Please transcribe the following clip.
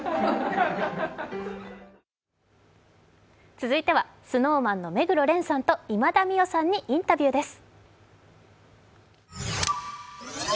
続いてはＳｎｏｗＭａｎの目黒蓮さんと今田美桜さんにインタビューです。